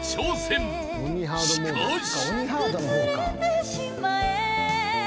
［しかし］